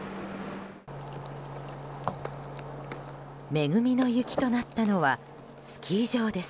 恵みの雪となったのはスキー場です。